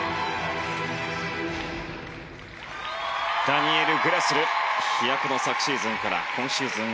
ダニエル・グラスル飛躍の昨シーズンから今シーズン